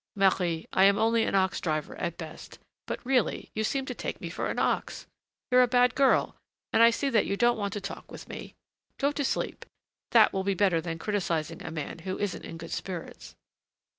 "Marie, I am only an ox driver at best, but really, you seem to take me for an ox. You're a bad girl, and I see that you don't want to talk with me. Go to sleep, that will be better than criticising a man who isn't in good spirits."